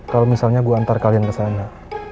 kalau misalnya gue antar kalian kesana